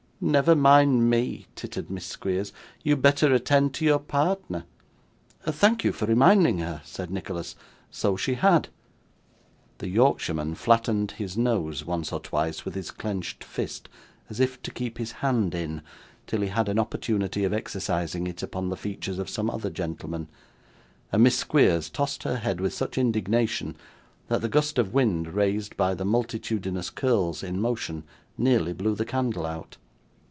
'Never mind me,' tittered Miss Squeers; 'you had better attend to your partner.' 'Thank you for reminding her,' said Nicholas. 'So she had.' The Yorkshireman flattened his nose, once or twice, with his clenched fist, as if to keep his hand in, till he had an opportunity of exercising it upon the features of some other gentleman; and Miss Squeers tossed her head with such indignation, that the gust of wind raised by the multitudinous curls in motion, nearly blew the candle out.